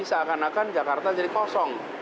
seakan akan jakarta jadi kosong